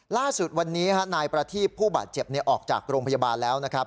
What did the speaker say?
ล่าสุดวันนี้นายประทีบผู้บาดเจ็บออกจากโรงพยาบาลแล้วนะครับ